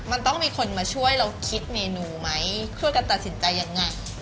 มันต้องมีคนมาช่วยเราคิดเมนูไหมช่วยกันตัดสินใจยังไง